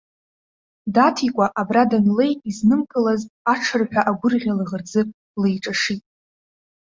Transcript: Даҭикәа, абра данлеи изнымкылазт, аҽырҳәа агәырӷьа лаӷырӡы леиҿашит.